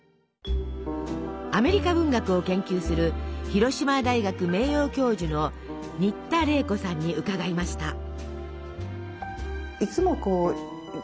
アメリカ文学を研究する広島大学名誉教授の新田玲子さんにうかがいました。